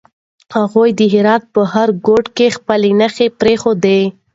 هغوی د هرات په هر ګوټ کې خپله نښه پرېښې ده.